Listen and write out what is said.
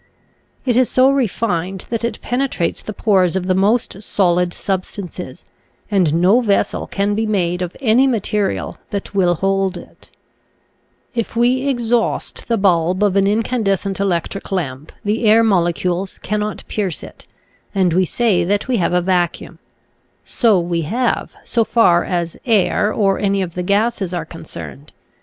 It is so refined that it penetrates the 172 /]. Original from UNIVERSITY OF WISCONSIN Xiflbt anO JEtbcu 173 pores of the most solid substances, and no vessel can be made of any material that will hold it. If we exhaust the bulb of an in candescent electric lamp the air molecules cannot pierce it and we say that we have a vacuum. So we have, so far as air or any of the gases are concerned.